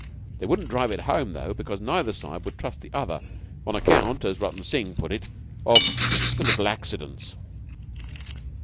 They wouldn't drive it home, though, because neither side would trust the other on account, as Rutton Singh put it, of the little accidents.